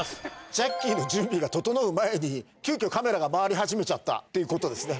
ジャッキーの準備が整う前に、急きょ、カメラが回り始めちゃったっていうことですね。